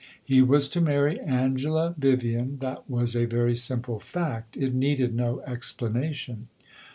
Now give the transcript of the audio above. He was to marry Angela Vivian; that was a very simple fact it needed no explanation.